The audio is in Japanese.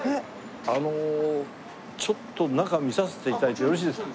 あのちょっと中見させて頂いてよろしいですか？